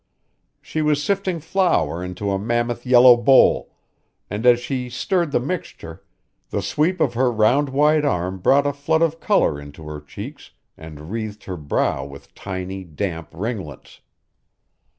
She was sifting flour into a mammoth yellow bowl, and as she stirred the mixture the sweep of her round white arm brought a flood of color into her cheeks and wreathed her brow with tiny, damp ringlets.